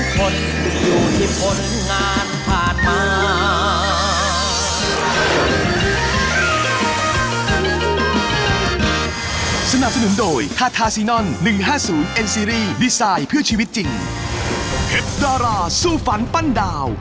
ขาดพร้อมคนอยู่ที่ผลงานพาดมา